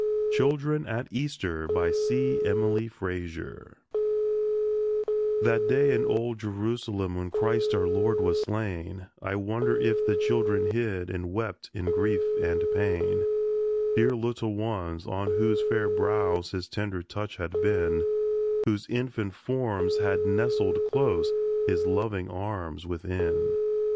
CHILDREN AT EASTER C. EMILY FRAZIER That day in old Jerusalem when Christ our Lord was slain, I wonder if the children hid and wept in grief and pain; Dear little ones, on whose fair brows His tender touch had been, Whose infant forms had nestled close His loving arms within.